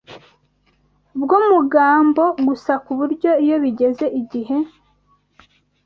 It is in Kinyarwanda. bwo mugambo gusa ku buryo iyo bigeze igihe